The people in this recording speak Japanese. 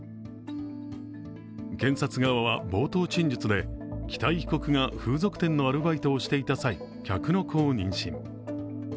検察側は冒頭陳述で、北井被告が風俗店のアルバイトをしていた際客の子を妊娠。